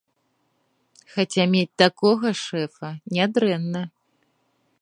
Хаця мець такога шэфа нядрэнна.